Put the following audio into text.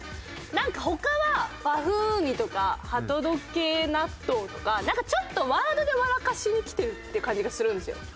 なんか他は「バフンウニ」とか「ハト時計納豆」とかなんかちょっとワードで笑かしにきてるって感じがするんですよ。